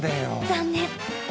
残念。